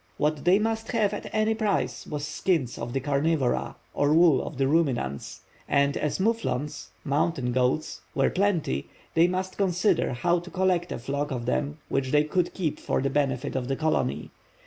What they must have at any price was skins of the carnivora, or wool of the ruminants; and as moufflons (mountain goats), were plenty, they must consider how to collect a flock of them which they could keep for the benefit of the colony.